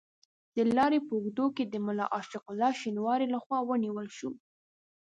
د لارې په اوږدو کې د ملا عاشق الله شینواري له خوا ونیول شو.